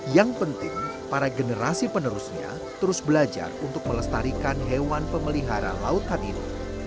yang penting para generasi penerusnya terus belajar untuk melestarikan hewan pemelihara lautan ini